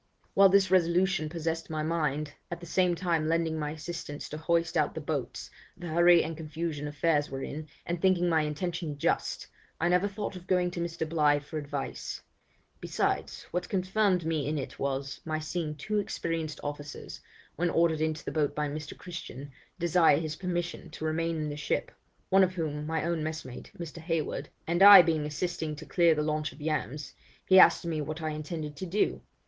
'While this resolution possessed my mind, at the same time lending my assistance to hoist out the boats, the hurry and confusion affairs were in, and thinking my intention just, I never thought of going to Mr. Bligh for advice; besides, what confirmed me in it was, my seeing two experienced officers, when ordered into the boat by Mr. Christian, desire his permission to remain in the ship (one of whom, my own messmate, Mr. Hayward), and I being assisting to clear the launch of yams, he asked me what I intended to do?